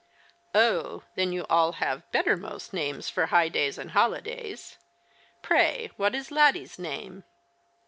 " Oh, then you all have bettermost names for high days and holidays. Pray, what is Laddie's name